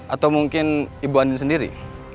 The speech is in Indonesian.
atau mungkin ibu ani sendiri